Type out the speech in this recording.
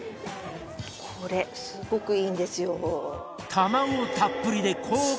これすごくいいんですよ。